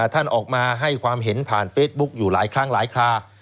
ท่านออกมาให้ความเห็นผ่านเฟซบุ๊คอยู่หลายครั้งหลายครา